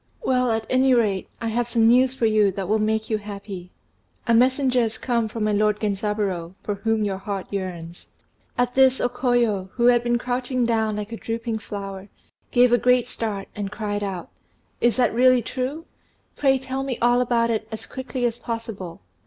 "Well, at any rate, I have some news for you that will make you happy. A messenger has come from my lord Genzaburô, for whom your heart yearns." At this O Koyo, who had been crouching down like a drooping flower, gave a great start, and cried out, "Is that really true? Pray tell me all about it as quickly as possible."